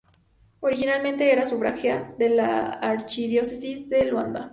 Originalmente era sufragánea de la archidiócesis de Luanda.